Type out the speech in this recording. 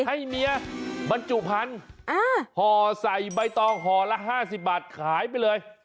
ให้เมียบรรจุพันธุ์ห่อใส่ใบตองห่อละ๕๐บาทขายไปเลย